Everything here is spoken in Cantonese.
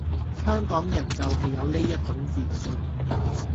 香港人就係有呢一種自信